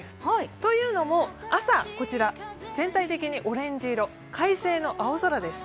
というのも朝、全体的にオレンジ色快晴の青空です。